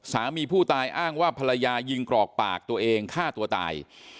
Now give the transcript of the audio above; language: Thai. สามีผู้ตายอ้างว่าภรรยายิงกรอกปากตัวเองฆ่าตัวตาย